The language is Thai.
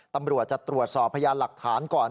ตำรวจจะตรวจสอบพยานหลักฐานก่อน